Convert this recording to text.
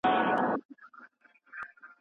ژوند د هر چا لپاره یو وار ورکول کیږي.